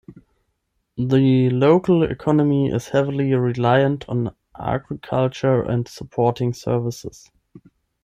The local economy is heavily reliant on agriculture and supporting services.